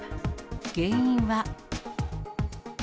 原因は。